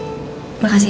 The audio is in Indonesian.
kamu gak apa apa